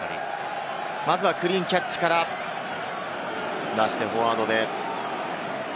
まずはクリーンキャッチから、出してフォワード。